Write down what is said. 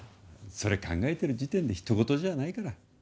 それ考えてる時点でひと事じゃないから。